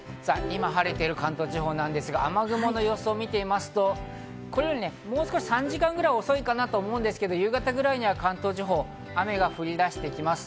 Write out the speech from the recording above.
今、晴れてる関東地方ですが、雨雲の予想を見てみますと、これより３時間ぐらい遅いかなと思うんですが、夕方ぐらいには関東地方は雨が降り出してきます。